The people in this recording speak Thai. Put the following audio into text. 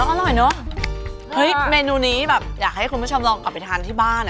อร่อยเนอะเฮ้ยเมนูนี้แบบอยากให้คุณผู้ชมลองกลับไปทานที่บ้านอ่ะ